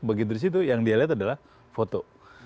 begitu disitu yang dia lihat adalah foto